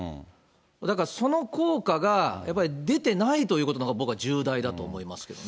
だからその効果が、やっぱり出てないということのほうが僕は重大だと思いますけどね。